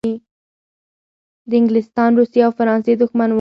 د انګلستان، روسیې او فرانسې دښمن وو.